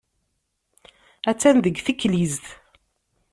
Attan deg teklizt.